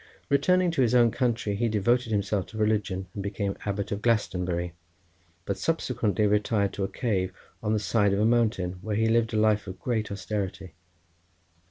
Returning to his own country, he devoted himself to religion, and became Abbot of Glastonbury, but subsequently retired to a cave on the side of a mountain, where he lived a life of great austerity.